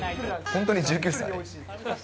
本当に１９歳？